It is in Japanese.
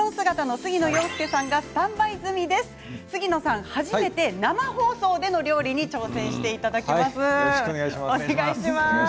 杉野さん、初めて生放送での料理に挑戦していただきます。